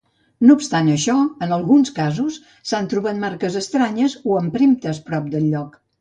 No obstant, en alguns casos, s'han trobat marques estranyes o empremtes prop del lloc.